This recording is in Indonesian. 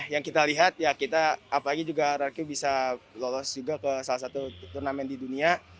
yang kita lihat ya kita apalagi juga rrq bisa lolos juga ke salah satu turnamen di dunia